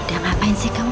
udah ngapain sih kamu